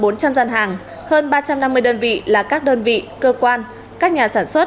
tham gia của hơn bốn trăm linh dân hàng hơn ba trăm năm mươi đơn vị là các đơn vị cơ quan các nhà sản xuất